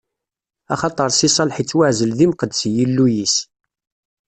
Axaṭer Si Salaḥ ittwaɛzel d imqeddes i Yillu-is.